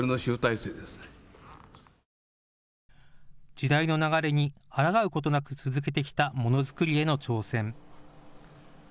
時代の流れにあらがうことなく続けてきたものづくりへの挑戦。